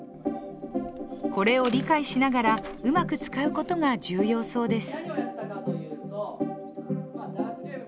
これを理解しながらうまく使うことが重要そうです。